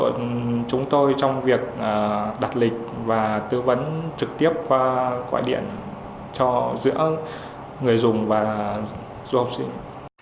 ngoài ra nó hỗ trợ chúng tôi trong việc đặt lịch và tư vấn trực tiếp qua quạ điện cho giữa người dùng và du học sinh